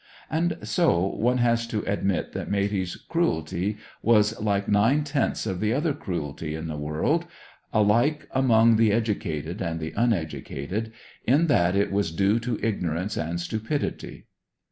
And, so, one has to admit that Matey's cruelty was like nine tenths of the other cruelty in the world, alike among the educated and the uneducated, in that it was due to ignorance and stupidity.